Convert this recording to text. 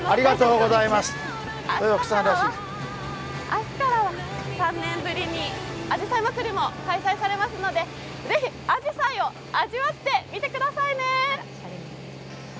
明日は３年ぶりにあじさいまつりも開催されますので、是非、あじさいを味わってみてくださいね。